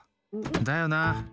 だよな！